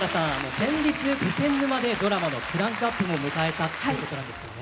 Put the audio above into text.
先日気仙沼でドラマのクランクアップも迎えたということなんですよね。